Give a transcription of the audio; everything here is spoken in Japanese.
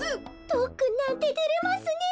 とっくんなんててれますねえ。